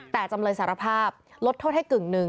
แต่จำเลยสารภาพลดโทษให้กึ่งหนึ่ง